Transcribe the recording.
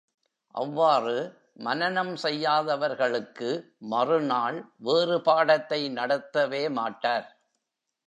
அவ்வாறு, மனனம் செய்யாதவர்களுக்கு மறுநாள் வேறுபாடத்தை நடத்தவே மாட்டார்.